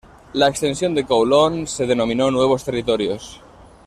La extensión de Kowloon se denominó "Nuevos Territorios".